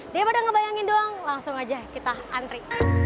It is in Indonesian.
daripada ngebayangin doang langsung aja kita antri